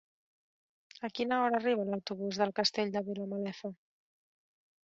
A quina hora arriba l'autobús del Castell de Vilamalefa?